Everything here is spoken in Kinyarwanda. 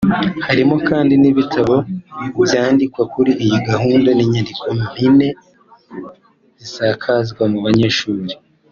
Harimo kandi n’ibitabo byandikwa kuri iyi gahunda n’inyandiko mpine zisakazwa mu banyeshuri